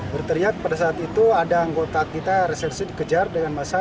berteriak pada saat itu ada anggota kita resepsi dikejar dengan masa